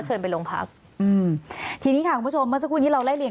เชิญไปโรงพักทีนี้ค่ะคุณผู้ชมเมื่อสักวันที่เราเล่นเรียน